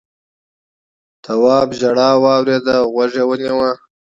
تواب ژړا واورېده او غوږ یې ونيو.